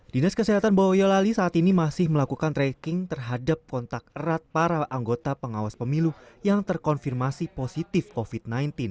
dinas kesehatan boyolali saat ini masih melakukan tracking terhadap kontak erat para anggota pengawas pemilu yang terkonfirmasi positif covid sembilan belas